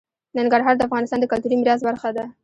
ننګرهار د افغانستان د کلتوري میراث برخه ده.